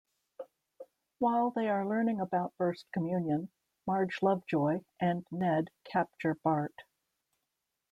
While they are learning about First Communion, Marge, Lovejoy, and Ned capture Bart.